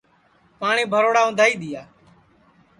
پاٹؔی بھروڑا اُندھائی دؔیا